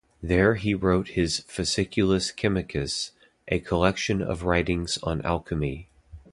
There he wrote his "Fasciculus Chemicus", a collection of writings on alchemy.